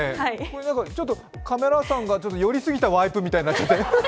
ちょっとカメラさんが寄りすぎたワイプみたいで。